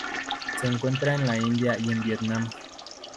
Se encuentra en la India y en Vietnam.